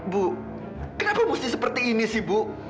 bu kenapa mesti seperti ini sih bu